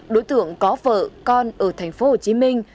đối tượng có vợ con ở thành phố hồ chí minh